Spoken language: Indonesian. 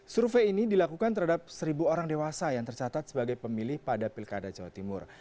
survei ini dilakukan terhadap seribu orang dewasa yang tercatat sebagai pemilih pada pilkada jawa timur